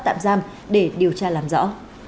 tạm giam để điều tra làm rõ